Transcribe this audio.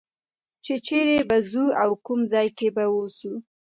چې چېرې به ځو او کوم ځای کې به اوسو.